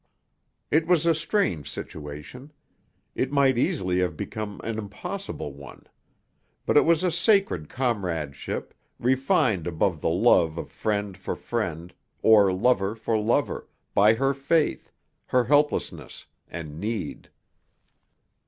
It was a strange situation. It might easily have become an impossible one. But it was a sacred comradeship, refined above the love of friend for friend, or lover for lover, by her faith, her helplessness, and need.